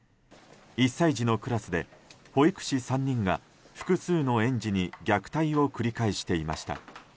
１歳児のクラスで保育士３人が複数の園児に虐待を繰り返していました。